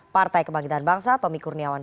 partai kebangkitan bangsa tommy kurniawan